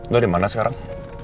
lo dimana sekarang